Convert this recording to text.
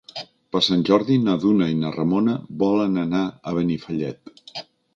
Per Sant Jordi na Duna i na Ramona volen anar a Benifallet.